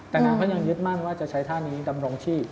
แต่นางเขายังยึดมั่นว่าจะใช้ท่านี้อยู่ตามโรงชีพ